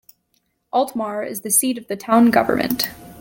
Altmar is the seat of the town government.